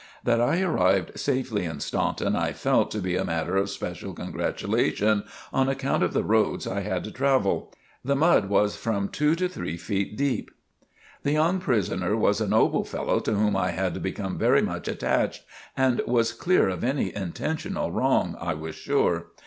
That I arrived safely in Staunton I felt to be a matter of special congratulation on account of the roads I had to travel. The mud was from two to three feet deep. The young prisoner was a noble fellow to whom I had become very much attached, and was clear of any intentional wrong, I was sure.